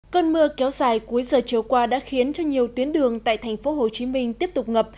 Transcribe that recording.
cơn mưa kéo dài cuối giờ chiều qua đã khiến cho nhiều tuyến đường tại thành phố hồ chí minh tiếp tục ngập